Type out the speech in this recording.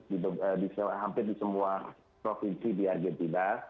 di hampir di semua provinsi di argentina